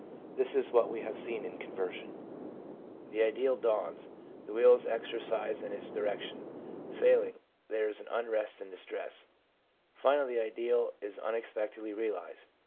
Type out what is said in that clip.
This is what we have seen in conversion. The ideal dawns ; the will is exercised in its direction ; failing, there is unrest and distress ; finally the ideal is unexpectedly realised.